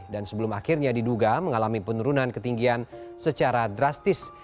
dan sebelum akhirnya diduga mengalami penurunan ketinggian secara drastis